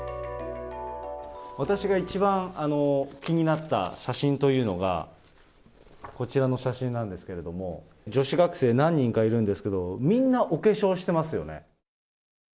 私が一番気になった写真というのが、こちらの写真なんですけれども、女子学生、何人かいるんですけど、みんなお化粧してますよね。